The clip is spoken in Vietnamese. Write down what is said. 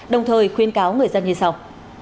đồng thời khuyên cáo người dân như sau